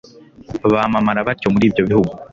bamamara batyo muri ibyo bihugu